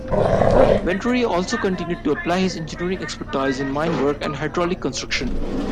Venturi also continued to apply his engineering expertise in mine work and hydraulic construction.